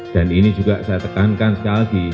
dan ini juga saya tekankan sekali lagi